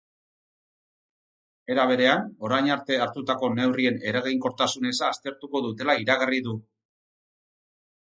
Era berean, orain arte hartutako neurrien eraginkortasun eza aztertuko dutela iragarri du.